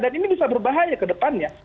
dan ini bisa berbahaya ke depannya